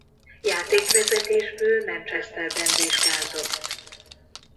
Játékvezetésből Manchesterben vizsgázott.